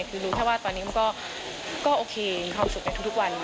คือรู้แค่ว่าตอนนี้มันก็โอเคมีความสุขในทุกวัน